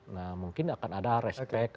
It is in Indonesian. nah mungkin akan ada respect